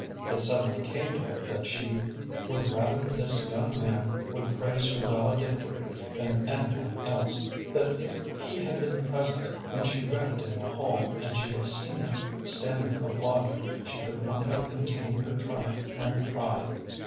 It suddenly came to her that she would rather this young man would praise her valedictory than any one else, that if he had been present when she read it in the hall, and she had seen him standing applauding, she could not have contained her triumph and pride.